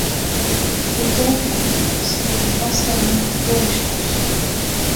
It deiprogramma bestie út foarstellingen en workshops.